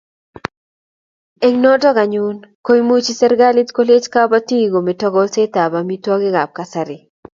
Eng' notok anyun ko imuchi serikalit kolech kabatik kometo kolset ab amitwogik ab kasari